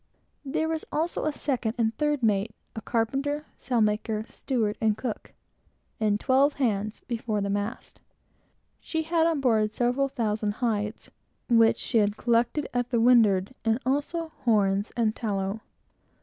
There was also a second and third mate, a carpenter, sailmaker, steward, cook, etc., and twelve, including boys, before the mast. She had, on board, seven thousand hides, which she had collected at the windward, and also horns and tallow.